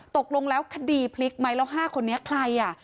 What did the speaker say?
ตกลงแล้วคดีพลิกไหมแล้ว๕คนนี้ใครอ่ะ